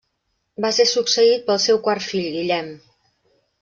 Va ser succeït pel seu quart fill Guillem.